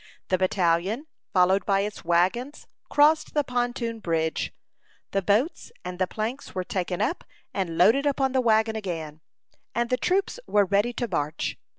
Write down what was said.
The battalion, followed by its wagons, crossed the pontoon bridge, the boats and the planks were taken up and loaded upon the wagon again, and the troops were ready to march.